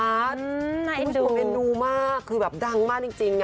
แม่นดูคุณผู้ชมแม่นดูมากคือแบบดังมากจริงน่ะ